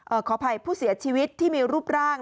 ขออภัยผู้เสียชีวิตที่มีรูปร่าง